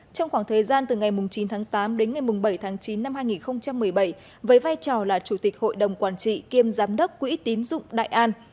trong khoảng thời gian từ ngày chín tháng tám đến ngày bảy tháng chín năm hai nghìn một mươi bảy với vai trò là chủ tịch hội đồng quản trị kiêm giám đốc quỹ tín dụng đại an